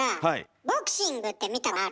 ボクシングって見たことある？